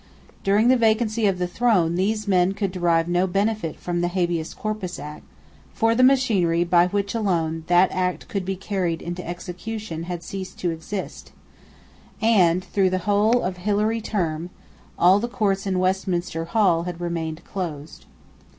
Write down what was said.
During the vacancy of the throne, these men could derive no benefit from the Habeas Corpus Act. For the machinery by which alone that Act could be carried into execution had ceased to exist; and, through the whole of Hilary term, all the courts in Westminster Hall had remained closed.